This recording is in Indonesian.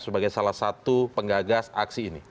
sebagai salah satu penggagas aksi ini